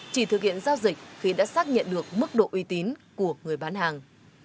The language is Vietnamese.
chỉ thực hiện giao dịch khi đã xác nhận được mức độ uy tín của người bán hàng